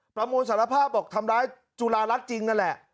ประมวลสารภาพบอกทำร้ายจุฬารัฐจริงนั่นแหละ